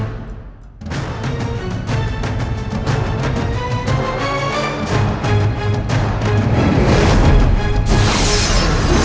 kalau tidak ada juru kapas